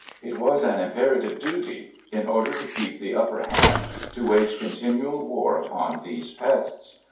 It was an imperative duty, in order to keep the upper hand, to wage continual war upon these pests.